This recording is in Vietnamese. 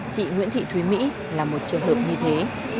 chị nguyễn thị thúy mỹ là một trường hợp như thế